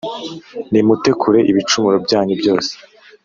Nimute kure ibicumuro byanyu byose